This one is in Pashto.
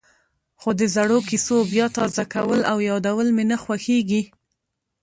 خو د زړو کېسو بیا تازه کول او یادول مې نه خوښېږي.